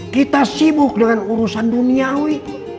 kita sibuk dengan urusan duniawi